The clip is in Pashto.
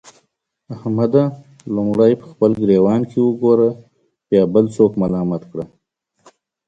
احمده! لومړی په خپل ګرېوان کې وګوره؛ بيا بل څوک ملامت کړه.